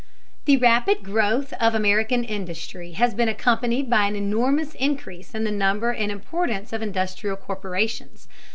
The rapid growth of American industry has been accompanied by an enormous increase in the number and importance of industrial corporations.